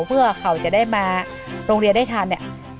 เพื่อเขาจะได้มาโรงเรียนได้ทันเนี่ย